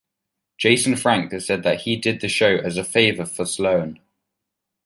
Jason Frank has said that he did the show as a favor for Sloan.